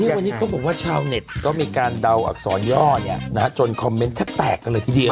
วันนี้เขาบอกว่าชาวเน็ตก็มีการเดาอักษรย่อจนคอมเมนต์แทบแตกกันเลยทีเดียว